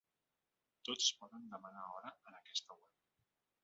Tots poden demanar hora en aquesta web.